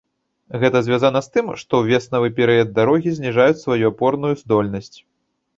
Гэта звязана з тым, што ў веснавы перыяд дарогі зніжаюць сваю апорную здольнасць.